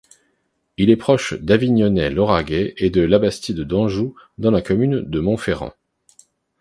Il est proche d'Avignonet-Lauragais et de Labastide-d'Anjou, dans la commune de Montferrand.